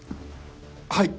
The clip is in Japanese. はい！